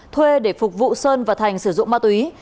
thuê để phục vụ sơn và thành sử dụng ma túy